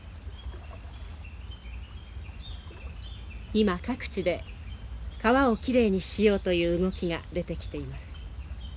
今各地で川をきれいにしようという動きが出てきています。